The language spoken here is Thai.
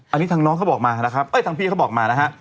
อันนี้ทางพี่เขาบอกมา